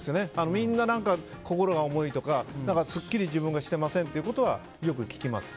みんな心が重いとか自分がすっきりしていませんということはよく聞きます。